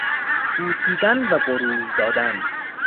بوسیدن و بروز دادن